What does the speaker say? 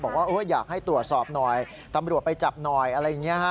บอกว่าอยากให้ตรวจสอบหน่อยตำรวจไปจับหน่อยอะไรอย่างนี้ฮะ